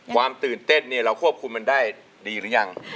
ความตื่นเต้นเนี่ยเราควบคุมมันได้ดีหรือยัง